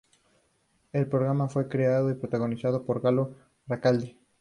El programa fue creado y protagonizado por Galo Recalde.